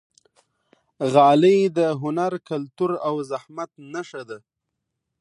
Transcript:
غالۍ د هنر، کلتور او زحمت نښه ده.